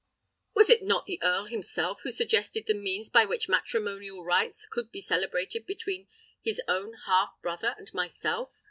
"Was it not the Earl himself who suggested the means by which matrimonial rites could be celebrated between his own half brother and myself?"